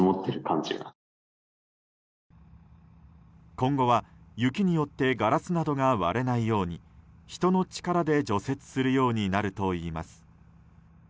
今後は、雪によってガラスなどが割れないように人の力で除雪するようになるといいます。